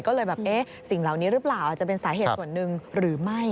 ก็เลยแบบเอ๊ะสิ่งเหล่านี้หรือเปล่าอาจจะเป็นสาเหตุส่วนหนึ่งหรือไม่